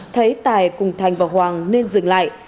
thấy tài cùng thành và hoàng nên dừng lại